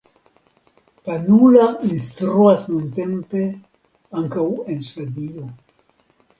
Panula instruas nuntempe ankaŭ en Svedio.